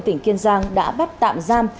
tỉnh kiên giang đã bắt tạm giam